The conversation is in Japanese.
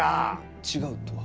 違うとは？